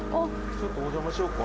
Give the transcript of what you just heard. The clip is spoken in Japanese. ちょっとお邪魔しようか。